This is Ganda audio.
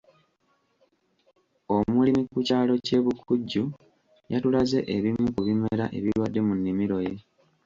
Omulimi ku kyalo ky'e Bukujju yatulaze ebimu ku bimera ebirwadde mu nnimiro ye.